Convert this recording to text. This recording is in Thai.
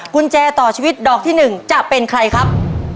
กุญแจต่อชีวิตดอกที่๑จะเป็นใครครับ